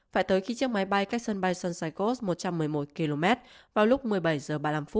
phải tới khi chiếc máy bay cách sân bay sunshinkos một trăm một mươi một km vào lúc một mươi bảy h ba mươi năm